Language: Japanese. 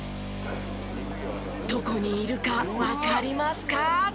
どこにいるかわかりますか？